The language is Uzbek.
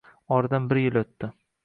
Oradan bir yil o`tdi